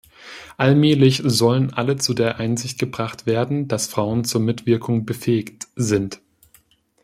Allmählich sollen alle zu der Einsicht gebracht werden, dass Frauen zur Mitwirkung befähigt sind.